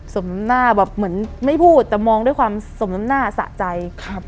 สมหน้าแบบเหมือนไม่พูดแต่มองด้วยความสมน้ำหน้าสะใจครับ